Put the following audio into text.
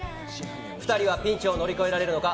２人はピンチを乗り越えられるのか。